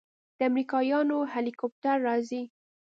د امريکايانو هليكاپټر راځي.